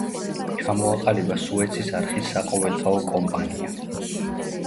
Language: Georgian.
ჩამოაყალიბა სუეცის არხის საყოველთაო კომპანია.